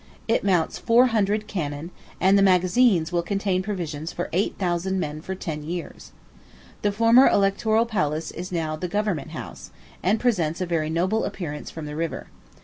It mounts four hundred cannon, and the magazines will contain provisions for eight thousand men for ten years. The former Electoral Palace is now the Government House, and presents a very noble appearance from the river.